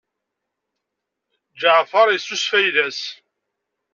Ǧaɛfeṛ yessusef ayla-s.